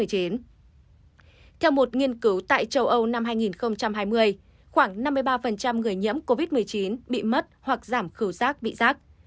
theo một nghiên cứu tại châu âu năm hai nghìn hai mươi khoảng năm mươi ba người nhiễm covid một mươi chín bị mất hoặc giảm khảo rác bị rác